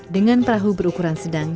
dengan perahu berukuran sedang